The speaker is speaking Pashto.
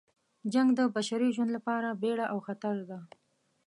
جنګ د بشري ژوند لپاره بیړه او خطر ده.